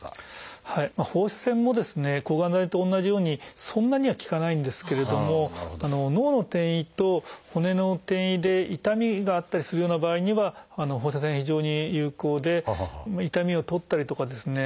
放射線もですね抗がん剤と同じようにそんなには効かないんですけれども脳の転移と骨の転移で痛みがあったりするような場合には放射線が非常に有効で痛みをとったりとかですね